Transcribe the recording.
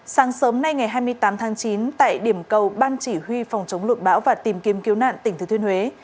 sáng sớm nay ngày hai mươi tám tháng chín tại điểm cầu ban chỉ huy phòng chống lụt bão và tìm kiếm cứu nạn tỉnh thừa thuyên huế